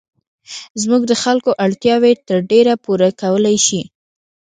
زموږ د خلکو اړتیاوې تر ډېره پوره کولای شي.